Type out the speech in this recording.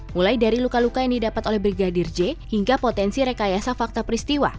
mulai dari luka luka yang didapat oleh brigadir j hingga potensi rekayasa fakta peristiwa